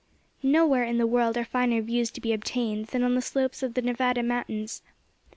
Nowhere in the world are finer views to be obtained than on the slopes of the Nevada Mountains.